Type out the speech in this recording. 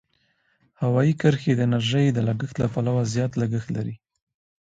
هوایي کرښې د انرژۍ د لګښت له پلوه زیات لګښت لري.